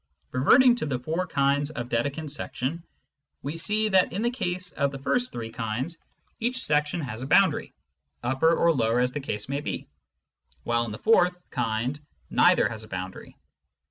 Reverting to the four kinds of Dedekind section, we see that in the case of the first three kinds each section has a boundary (upper or lower as the case may be), while in the fourth kind neither has a boundary.